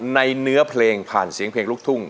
เนื้อเพลงผ่านเสียงเพลงลูกทุ่ง